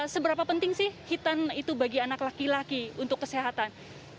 seberapa penting sih hitan itu bagi anak laki laki untuk kesehatan